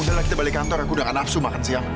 udahlah kita balik kantor aku udah gak nafsu makan siang